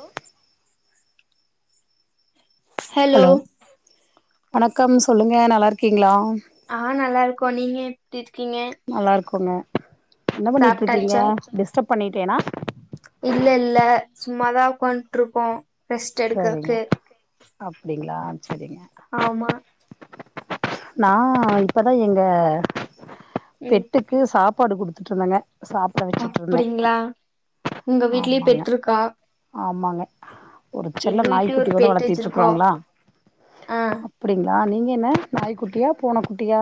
ஓ hello வணக்கம் சொல்லுங்க நல்லாருக்கீங்ளா ஆ நல்லாருக்கோ நீங்க எப்டி இருக்கீங்க நல்லாருக்கோங்க என்ன பண்ணீட்ருக்கீங்க சாப்ட்டாச்சா டிஸ்டப் பண்ணிட்டேனா இல்ல இல்ல சும்மாதா உக்காந்ட்ருக்கோ ரெஸ்ட் செரிங்க எடுக்கறக்கு அப்டிங்ளா செரிங்க ஆமா நா இப்பதா எங்க ம் பெட்டு க்கு சாப்பாடு குடுத்துட்ருந்தங்க சாப் அப்டிங்ளா உங்க வீட்லயு ஆமாங்க பெட்ருக்கா ஆமாங்க ஒரு செல்ல எங்க வீட்லயு நாய்க்குட்டி ஒரு ஒன்னு பெட் வச்சிருக்கோ வளத்திட்ருக்கறோங்ளா ஆ அப் அப்டிங்ளா நீங்க என்ன நாய்க்குட்டியா பூனக்குட்டியா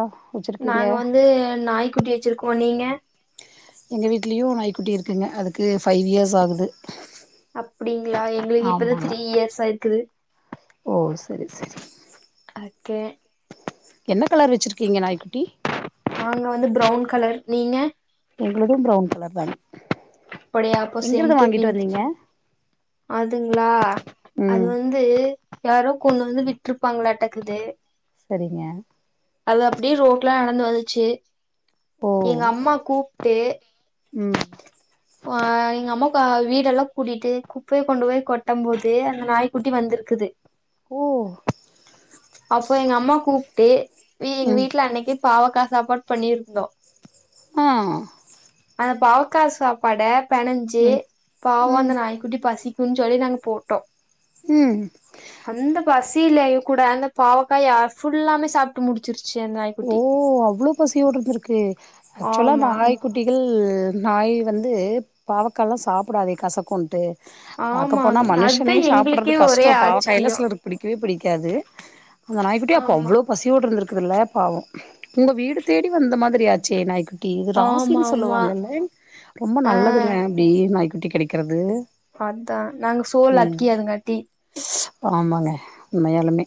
நாங்க வந்து நாய்க்குட்டி வெச்சிருக்கோ நீங்க எங்க வீட்லயு நாய்க்குட்டி இருக்குங்க அதுக்கு ஃபைவ் இயர்ஸ் ஆகுது அப்டிங்ளா எங்களுக்கு இப்பதா ஆமாங்க த்ரீ இயர்ஸ் ஆய்ர்க்கிது ஓ சரி சரி அக்கே என்ன கலர் வெச்சிருக்கீங்க நாய்க்குட்டி நாங்க வந்து ப்ரவுன் கலர் நீங்க எங்களுது ப்ரவுன் கலர்தாங் அப்படியா அப்போ சேம் டூ பின்ச் வந்தீங்க அதுங்ளா அது ம் வந் து யாரோ கொண்டு வந்து விட்ருப்பாங்ளாட்டக்கிது செரிங்க அது அப்டியே ரோட்ல நடந்து வந்துச்சி ஓ எங்க அம்மா கூப்ட்டு ம் ஆ எங்க அம்மாக்க வீடெல்லா கூட்டிட்டு குப்பைய கொண்டு போய் கொட்டம் போது அந்த நாய் குட்டி வந்திருக்குது ஓ அப்போ எங்க அம்மா கூப்ட்டு ஏ எங்க ம் வீட்ல அன்னைக்கே பாவக்கா சாப்பாடு பண்ணிருந்தோ ஆ அந்த பாவக்கா சாப்பாட பெனஞ்சு ம் பாவோ ம் அந்த நாய்க்குட்டி பசிக் குன் சொல்லி நாங்க போட்டோ ம் அந்த பசிலயு கூட அந்த பாவக்காய்ய ஃபுல்லாமே சாப் டு முடிச்சிருச்சி அந்தாய் ஓ அவ்ளோ பசியோட இருந்துருக்கு ஆக்சுவலா ஆமா அந்தாய் குட்டிகள் நாய் வந்து பாவக்கால்லா சாப்டாதே கசக்குன்ட்டு பாக்க போனா ஆமாங் அதுதா மனுஷனே சாப்டுறது எங்களுக்கே ஒரே கஷ்டோ பாவக்காயல்லா ஆச்சரியோ சிலருக்கு பிடிக்கவே பிடிக்காது அந்த நாய்குட்டி அப்போ ஆமா அவ்ளோ ப் பசியோட இருந்துருக்குதுல்ல பாவோ உங்க வீடு தேடி வந்த மாதிரி ஆச்சே நாய்க்கு டி இது ஆமா ராசின்னு ஆமா சொல்லுவாங்கல்ல ரொம்ப ஆ நல்லதுங்க அப்டி நாய்க்குட்டி கிடைக்கறது அதா நாங்க சோ லக்கி அதுங்காட்டி ஆமாங்க மெய்யாலுமே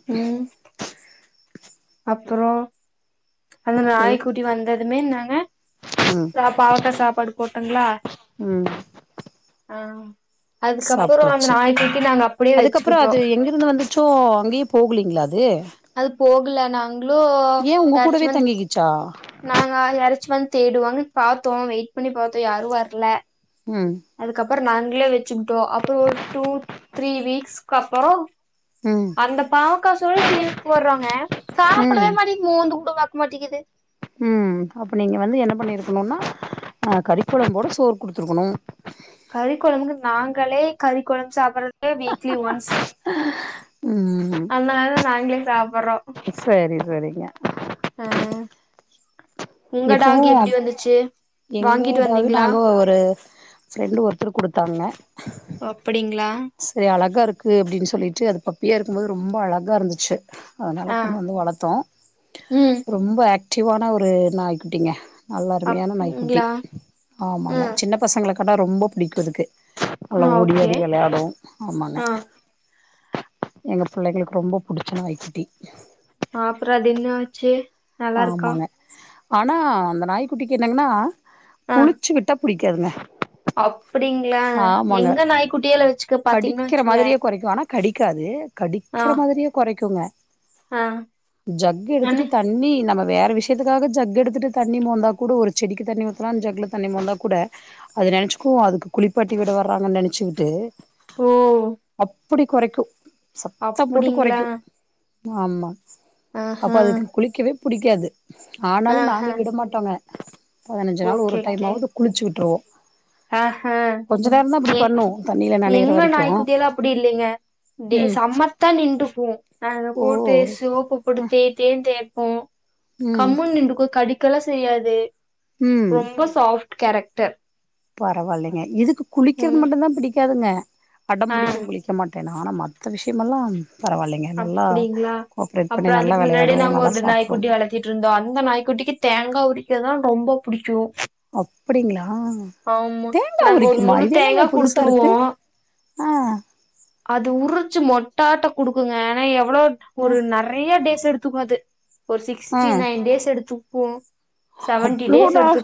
அப்பறோ அந்த எங் நாய்க்குட்டி வந்ததுமே நாங்க ம் சா பாவக்கா சாப்பாடு போட்டங்களா ம் ஆ அதுக்கப்புறோ அந்த சாப்ட்ருச்சு நாய்க்குட்டிய நாங்க அப்டியே வச்சுக்கிட்டோ எங்க வந்துச்சோ அங்கயே போகலீங்ளா அது அது போகல நாங்களு தருச்சு வந்து சா நாங்க யாராச்சும் வந்து தேடுவாங்கன் பாத்தோ வெய்ட் பண்ணி பாத்தோ யாரு வர்ல ம் அதுக்கப்புறோ நாங்களே வச்சுக்கிட்டோ அப்றோ ஒரு டூ த்ரீ வீக்ஸ்க்கு அப்பறோ ம் அந்த பாவக்கா சோறே திருப்பி போடுறங்க ம் சாப்டவே மாட்டேகிது மோந்து கூட பாக்க மாட்டேங்கிது ம் அப்ப நீங்க வந்து என்ன பண்ணிருக்கணுன்னா ஆ கறிக்கொழம்போட சோறு குடுத்துருக்கணு கறி கொழம்புக்கு நாங்களே கறி கொழம்பு சாப்டுறது வீக்லி ஒன்ஸ் ம் அதனாலதா நாங்ளே சாப்டுறோ சரி சரிங்க அ இப்பவு எங்க வாங்கிட்டு டாக்கு வந்தீங்களா நாங்க ஒரு ப்ரெண்டு ஒருத்தர் குடுத்தாங்க அப்படிங்ளா செ அழகா இருக்கு அப்டின் சொல்லிட்டு அது பப்பியா இருக்கும்போது ரொம்ப அழகா இருந்துச்சு அதனால ஆ கொண்டு வந்து வளத்தோ ம் ரொம்ப ஆக்டிவான ஒரு நாய் குட்டிங்க நல்ல அருமையான நாய்க்குட்டி அப்டிங்களா ஆமாங்க ம் சின்ன பசங்கள கண்டா ரொம்ப பிடிக்கு அதுக்கு ஆ நல்லா ஓடி ஓகே ஆடி வெளாடு ஆமாங்க ஆ எங்க புள்ளைங்களுக்கு ரொம்ப புடிச்ச நாய்க்குட்டி ஆ அப்றோ அது என்னாச்சு ஆமாங்க ஆனா அந்த நாய்க்குட்டிக்கி என்னங்ன்னா ஆ குளிச்சு விட்ட புடிக்காதுங்க அப்டிங்களா ஆமாங்க எங்க நாய்க்குட்டியால வச்சுக்க பாத்தீங்கன்னா கடிக்கிற வச்சுங்க மாதிரியே கொறைக்கு ஆனா கடிக்காது ஆ கடிக்கற மாதிரியே கொறைக்கும்ங்க ஆ ஜக் எடுத்துட்டு அண்ணே த தண்ணி நம்ம வேற விஷயத்துக்காக ஜக்கு எடுத்துட்டு தண்ணி மோந்தா கூட ஒரு செடிக்கு தண்ணி ஊத்தலாம்ன்னு ஜக்ல தண்ணி மோந்தா கூட அது நெனச்சுக்கும் அதுக்கு குளிப்பாட்டி விட வர்றாங்கன்னு நெனைச்சுட்டு ஓ அப்புடி கொறைக்கும் சத்தம் போட்டு அப்டிங்களா கொறைக்கும் ஆமா அப்ப ஆஹா அதுக்கு குளிக்கவே புடிக்காது ஆனாலும் ஆஹ நாங்க விடமாட் டோங்க பதினஞ்சு நாள் ஒரு ஓகே டைம்மாவது குளிச்சி விட்டுருவோம் ஆஹான் ஏ பண்ணு தண்ணில நனையிற எங்க வரைக்கு நாய்க்குட்டில்லாம் அப்டி இல்லிங்க டே ம் சம்மத் தோத்தா நின்டுபோம் அத ஓ போட்டு சோப்பு போட்டு தே தேனு தேப்போம் ம் கம்முனு நிண்டுக்கும் கடிக்கல்லா செய்யாது ம் ரொம்ப சாஃப்ட் கேரக்டர் பரவாயில்லைங்க இதுக்கு குளிக்றது ம் மட்டும்தா பிடிக்காதுங்க அடம் ஆ புடிக்கும் குளிக்க மாட் அ ஆனா மத்த விஷயமல்லாம் பரவாயில்லைங்க நல்லா அப்டிங்ளா கோஆப்ரேட் பண்ணி அப்றம் நல்லா அதுக்கு முன்னாடி வெளையாடு நாங்க நல்லா ஒரு சாப்டு நாய்க்குட்டி வளத் த்திட்டு இருந்தோம் அந்த நாய்க்குட்டிக்கு தேங்காய் உரிக்கதா ரொம்ப புடிக்கும் அப்டிங்ளா தேங்கா நாங்க ஒரு உரிக்குமா முழு இது என்னங்க தேங்கா புதுசா இருக்கு குடுத்துருவோ அ அது உறிச்சு மொட்டாட்டம் குடுக்குங்க ஆ எவ்ளோ ஆ ஒரு நெறைய டேஸ் எடுத்துக்கும் அது ஒரு ஆ சிக்ஸ்டி நைன் டேஸ் எடுத்துக்கும் அவ்ளோ நாள்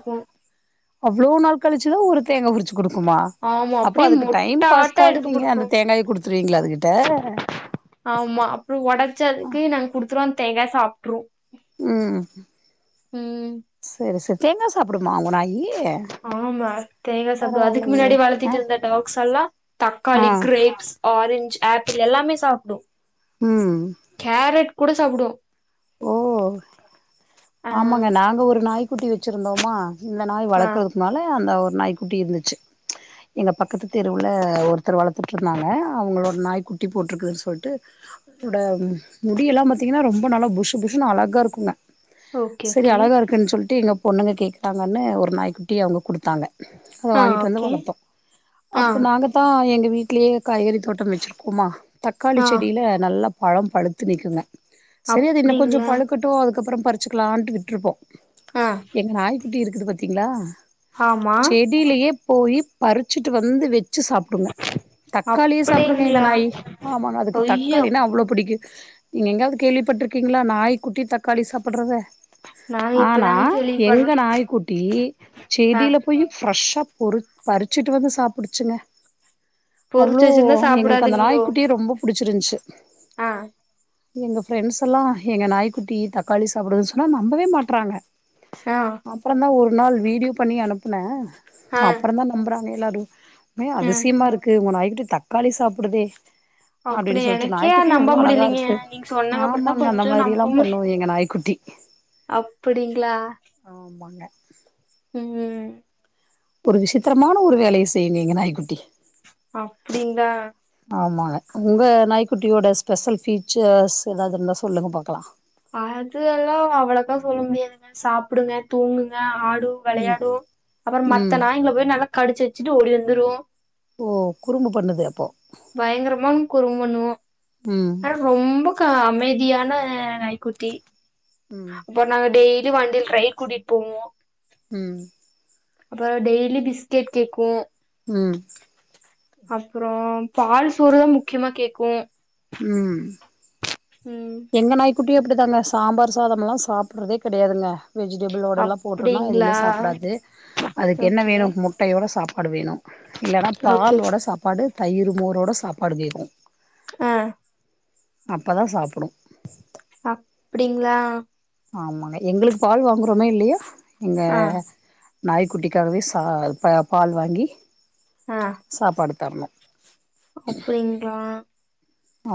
அவ்ளோ நாள் கழிச்சுதா ஒரு தேங்கா உரிச்சு குடுக்குமா ஆமா அப்போ அப்டியே அதுக்கு டைம் மொட்ட ஆட்ட பாஸ்காக எடுத்து நீங்க குடுக்கு அந்த தேங்காய குடுத்து ரீங்ளா அதுக்கிட்ட ஆமா அப்றம் ஒடச்சு அதுக்கு நாங்க குடுத்துருவோம் அந்த தேங்கா சாப்ட்ரும் ம் சரி சரி தேங்கா சாப்டுமா உங்க நாயி ஆமா தேங்கா சாப்டும் அதுக்கு பரவாயில்லையே முன்னாடி ஆ வளத்திட்டு இருந்த டாக்ஸ் எல்லாம் ஆ தக்காளி கிரேப்ஸ் ஆரஞ்ச் ஆப்பிள் எல்லாமே சாப்டும் ம் கேரட் கூட சாப்டும் ஓ ஆ ஆமாங்க நாங்க ஒரு நாய்க்குட்டி வச்சிருந்தோமா இந்த நாய் ஆ வளக்கறதுக்கு முன்னால அந்த ஒரு நாய்க்குட்டி இருந்துச்சு எங்க பக்கத்து தெருவுல ஒருத்தர் வளர்த்துட்டுருந்தாங்க அவங்களோட நாய் குட்டி போட்ருக்குதுன்னு சொல்ட்டு அதோட முடி எல்லாம் பாத்தீங்கனா ரொம்ப நல்லா புஸ்புஸ்னு அழகா இருக்குங்க ஓகே சரி ஓகே அழகா இருக்குங்க ருப்பேன்னு சொல்லிட்டு எங்க பொண்ணுங்க கேக்குறாங்கன்னு ஒரு நாய்க்குட்டி அவுங்க குடுத்தாங்க அத ஆ வாங்கிட்டு வந்து ஓகே வளத்தோம் ஆ அப்போ நாங்க தான் எங்க வீட்லேயே காய்கறி தோட்டம் வச்சிருக்கோமா தக்காளி ஆ செடில நல்லா பழம் பழுத்து நிக்குங்க அப்பிடிங்களா க்கட்டும் அதுக்கப்புறம் பறிச்சுக்கலான்ட்டு விட்டுருப்போம் ஆ எங்க நாய்க்குட்டி இருக்குது பாத்தீங்களா ஆமா வெளிலயே போயி பறிச்சிட்டு வந்து வெச்சு சாப் ங்க தக்காளியே சாப்டுங்க எங்க அப்டிங்களா நாய் ஆமா அதுக்கு ஐயோ தக்காளின்னா அவ்ளோ புடிக்கும் நீங்க எங்காவது கேள்விப்பட்டுருக்கீங்களா நாய் குட்டி தக்காளி சாப்புட்றத நாங்க ஆனா இப்பதாங்க கேள்விப்பட்றோ எங்க நாய்குட்டி ஆ செடில போயு ஃப்ரெஷ்ஷா பொறு பறிச்சிட்டு வந்து சாப்புடுச்சுங்க பொறிச்சு அவுளோ வச்சிருந்தா எங்ளுக்கு அந்த சாப்டாதுங்களோ நாய்க்குட்டியே ரொம்ப புடிச்சிருன்ச்சு ஆ எங்க ஃப்ரெண்ட்ஸெல்லா எங்க நாய்க்குட்டி தக்காளி சாப்புடுது சொன்னா நம்பவே மாட்றாங்க ஆ அப்றந்தா ஒரு நாள் வீடியோ பண்ணி அனுப்புன ஆ அப்றந்தா நா நம்புறாங்க எல்லாரு உண்மயா ஆ அதிசியமா இருக்கு உங்க நாய் குட்டி தக்காளி சாப்புடுதே அப்டி அப்டின் சொல்ட்டு எனக்கே நாய்க்குட்டி நம்ப இவ்ளோ அழகா முடியலீங்க இருக்கு நீங்க சொன்னாங்க ஆமா அப்றந்தா இன்னு அந்த கொஞ்சோ மாரிலா பண்ணு எங்க நாய்குட்டி அப்புடிங்ளா ஆமாங்க ம் ஒரு விசித்திரமான ஒரு வேலய செய்யுங்க எங்க நாய்குட்டி அப்புடிங்ளா ஆமாங்க உங்க நாய்குட்டியோட ஸ்பெஷல் ஃபீச்சர்ஸ் எதாது இருந்தா சொல்லுங்க பாக்கலா அது எல்லா அவ்ளோக்கா சொல்ல முடியாதுங்க சாப்புடுங்க தூங்குங்க ஆடு ம் வெளையாடு அப்புறம் ம் மத்த நாய்ங்ள போய் நல்லா கடிச்சு வச்சிட்டு ஓடி வந்துரு ஓ குறும்பு பண்ணுது அப்போ பயங்கரமான் குறும் பண்ணூ ம் அ ரொம்பக்கா அமைதியான நாய்குட்டி ம் போ நாங்க டெய்லி வண்டில் ரைட் கூட்டிட் போவோ ம் அப்புறோ அதா டெய்லி பிஸ்கெட் கேக்கு ம் அப்புறோ பால் சோறுதா முக்கியமா கேக்கு ம் ம் எங்க நாய்க்குட்டியு அப்டிதாங்க சாம்பார் சாதம்லா சாப்புறதே கெடையாதுங்க வெஜிடேபுளோடெல்லா போட்டோனா அப்டிங்களா எதுமே சாப்புடாது அதுக்கு என்ன ஓகே வேணு முட்டையோட சாப்பாடு வேணு இல்லனா ஓகே பாலோட சாப்பாடு தயிரு மோரோட சாப்பாடு கேக்கு ஆ அப்பதா சாப்புடு அப் டிங்ளா ஆமாங்க எங்ளுக்கு பால் வாங்குறோமோ இல்லயோ எங்க ஆ நாய்க்குட்டிக்காகவே சா இப்ப பால் வாங்கி ஆ சாப்பாடு தர்ணு அப்புடிங்ளா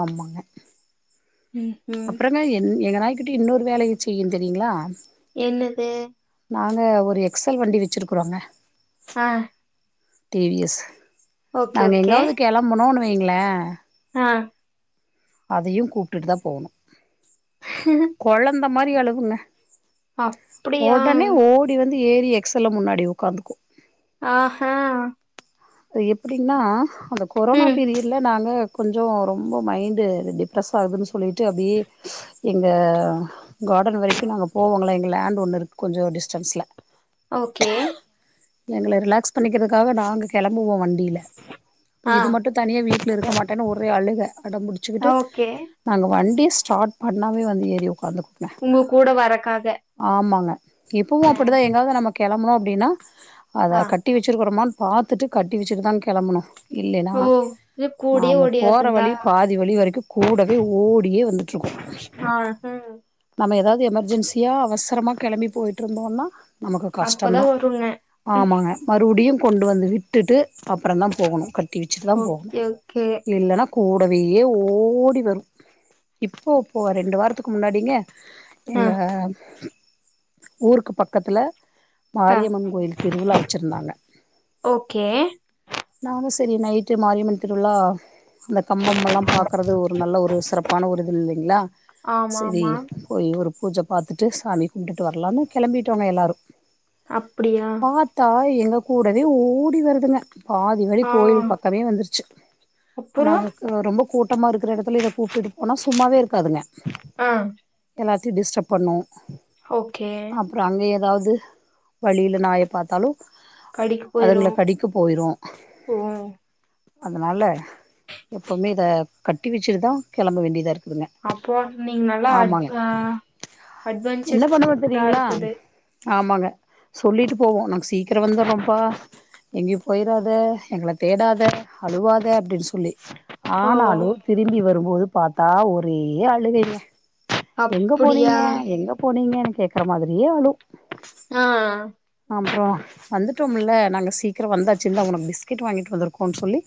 ஆமாங்க ம் ம் அப்புறந்தா என் எங்க நாய்க்குட்டி இன்னொரு வேலையு செய்யு தெரியுங்ளா என்னது நாங்க ஒரு எக்ஸ்ல் வண்டி வச்சிருக்குறோங்க ஆ டி வி எஸ் ஓகே நாங்க ஓகே எங்காவ்து கெளம்பனோனு வைங்களே ஆ அதையு கூப்டுட்டுதா போகணு ஹ கொழந்த மாரி அழுகுங்க அப்டியா ஒடனே ஓ டி வந்து ஏறி எக்ஸ் எல்ல முன்னாடி உக்காந்துக்கு ஆஹா அது எப்புடீனா அந்த கொரோனா ம் பீரியட்ல நாங்க கொஞ்சோ ரொம்ப மைண்டு டிப்ரெஸ் ஆவுதுனு சொல்லிட்டு அப்டி எங்க காடன் வெரைக்கு நாங்க போவோங்கள எங்க லேண்டு ஒண்ணு இருக்கு கொஞ்சோ டிஸ்டன்ஸ்ல ஓகே எங்கள ரிலாக்ஸ் பண்ணிக்கிறக்காக நாங்க கெளம்புவோ வண்டில அப்ப ஆ இது மட்டு தனியா வீட்ல இருக்க மாட்டேனு ஒரே அழுக அடம்புடிச்சுக்கிட்டு ஓகே நாங்க வண்டிய ஸ்டாட் பண்ணாவே வந்து ஏறி உக்காந்துக்குங்க உங்கக் கூட வரக்காக ஆமாங்க இப்பவு அப்பிடித்தா எங்காவ்து நம்ம கெளம்பணு அப்டினா அத ஆ கட்டி வெச்சிருக்கறோமான் பாத்துட்டு கட்டி வெச்சுட்டுதா கெளம்புனு இல்லெனா ஓ இது கூடயே நாம போற ஓடியாருதுங்களா வழி பாதி வழி வரைக்கு கூடவே ஓடியே வந்துட்டுருக்கு ஆ ம் நம்ம எதாவ்து எமர்ஜென்சியா அவசரமா கெளம்பி போயிட்டுருந்தோனா நமக்கு அப்பதா கஷ்டம்ந்தா வருங்க ஆமாங்க மறுபடியு கொண்டு வந்து விட்டுட்டு அப்புறந்தா போகணு கட்டி வெச்சுட்டுதா போகணு ஓகே ஓகே இல்லனா கூடவே ஓடி வரு இப்போ ப்போ ரெண்டு வாரத்துக்கு முன்னாடிங்க ஆ எங்க ஊருக்கு பக்கத்துல ஆ மாரியம்மன் கோயில் திருவிழா வெச்சிருந்தாங்க ஓகே நானு செரி நைட்டு மாரியம்மன் திருவிழா அந்த கம்பம்மெல்லா பாக்கறது ஒரு நல்ல ஒரு சிறப்பான ஒரு இது இல்லைங்ளா ஆமா செரி ஆமா போய் ஒரு பூஜ பாத்துட்டு சாமி கும்டுட்டு வரலானு கெளம்பிட்டோங்க எல்லாரு அப்படியா பாத்தா எங்க கூடவே ஓடி வருதுங்க பாதி வழி ஆ கோயில் பக்கமே வந்துருச்சு அப்புறோ நாங்க க ரொம்ப கூட்டமா இருக்கிற எடத்துல இத கூப்பிட்டு போனா சும்மாவே இருக்காதுங்க ஆ எல்லாத்தியு டிஸ்டப் பண்ணு ஓகே அப்றோ அங்க எதாவது வழியில நாய பாத்தாலு கடிக்க போயிரு ரோ ஓ அதனால எப்பவுமே இத கட்டி வெச்சுட்டுதா கெளம்ப வேண்டியதா இருக்குதுங்க அப்போ நீங்க நல்லா அட் ஆமாங்க ஆ என்ன அட்வென்ச்சர் பண்ணுவ இதா தெரியூங்ளா இருக்குது ஆமாங்க சொல்லிட்டு போவோ நாங் சீக்கிர வந்தர்ரோம்பா எங்யு போய்றாத எங்கள தேடாத அழுவாத அப்டின் சொல்லி ஓ ஆனாலு திரும்பி வரும்போது பாத்தா ஒரே அழுகைங்க எங்க அப்டியா போனீங்க எங்க போனீங்கனு கேக்குற மாரியே அழு ஆ அப்புறம் வந்துட்டோமுல நாங்க சீக்கிரம் வந்தாச்சு இந்தா உனக்கு பிஸ்கெட் வாங்கிட்டு வந்துருக்கோன்னு சொல்லி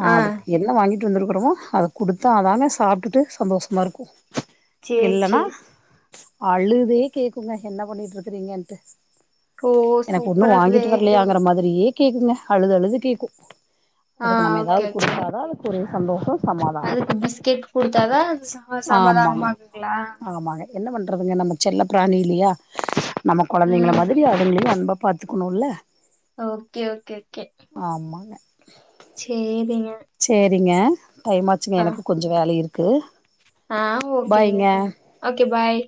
ஆ அதுக்கு என்ன வாங்கிட்டு வந்துருக்குறோமோ அத குடுத்தா தானே சாப்ட்டுட்டு சந்தோஷமா இருக்கும் சேரி இல்லன்னா சேரி அழுதே கேக்குங்க என்ன பண்ணிட்டு இருக்குறீங்கன்ட்டு ஓ எனக்கு ஒன்னும் சூப்பரா வாங்கிட்டு இருக்குதே வரலையாங்குற மாதிரியே கேக்குங்க அழுது அழுது கேக்கும் ஆ அதுக்கு நம்ம ஓகே ஏதாவது ஓகே குடுத்தாதா அதுக்கு ஒரு சந்தோஷம் அதுக்கு பிஸ்கெட் குடுத்தாதா அது ஆமாங்க சமாதானம் ஆகுங்களா ஆமாங்க என்ன பண்றதுங்க நம்ம செல்ல பிராணி இல்லையா நம்ம கொழந்தைங்கள ம் மாதிரி அதுங்களையும் அன்பா பாத்துக்கணும்ல ஓகே ஓகே ஓகே ஆமாங்க சேரிங்க சேரிங்க டைம் ஆச்சுங்க ஆ எனக்கும் கொஞ்சோ வேல இருக்கு ஆ ஓகேங்க பாய்ங்க ஓகே பாய்